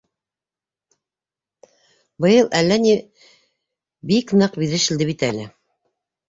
Быйыл әллә ни бик ныҡ бирешелде бит әле.